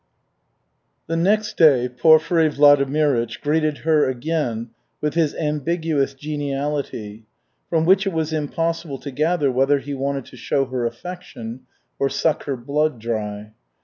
The next day Porfiry Vladimirych greeted her again with his ambiguous geniality, from which it was impossible to gather whether he wanted to show her affection or suck her blood dry.